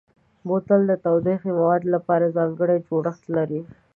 بوتل د تودوخهيي موادو لپاره ځانګړی جوړښت لري.